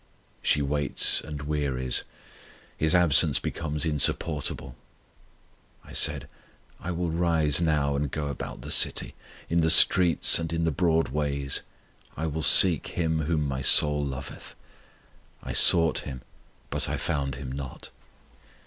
She waits and wearies: His absence becomes insupportable: I said, I will rise now, and go about the city, In the streets and in the broad ways, I will seek Him whom my soul loveth: I sought Him, but I found Him not!